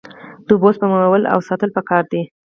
د اوبو سپمول او ساتل پکار دي.